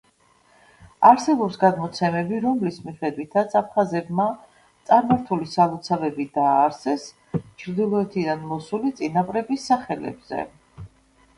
არსებობს გადმოცემები, რომლის მიხედვითაც აფხაზებმა წარმართული სალოცავები დააარსეს ჩრდილოეთიდან მოსული წინაპრების სახელებზე.